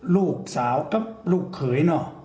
ลูกสาวกับลูกเขย